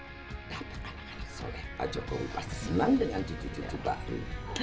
tidak anak anak soleh pak jokowi pasti senang dengan cucu cucu baru